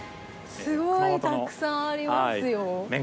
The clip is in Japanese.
すごいたくさんありますよ。